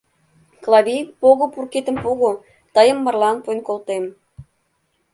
Клавий, пого-пуркетым пого: тыйым марлан пуэн колтем.